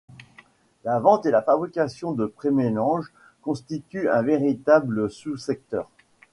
La vente et la fabrication de prémélanges constitue un véritable sous-secteur.